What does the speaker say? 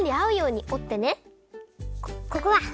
ここだ！